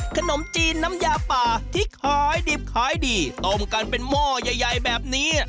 ขนมจีนน้ำยาป่าที่ขายดิบขายดีต้มกันเป็นหม้อใหญ่ใหญ่แบบนี้